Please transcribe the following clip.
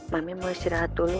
mami mau istirahat dulu